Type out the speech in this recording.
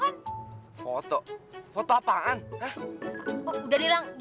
ya kamu itu sudah cerita kanapp